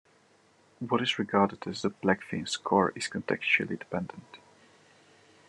What is regarded as the Blackfin "core" is contextually dependent.